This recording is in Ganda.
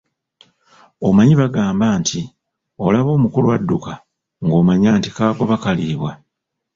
Omanyi bagamba nti, “Olaba omukulu adduka, ng’omanya nti kagoba kaliibwa.”